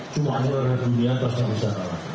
cuma juara dunia terus yang bisa kalah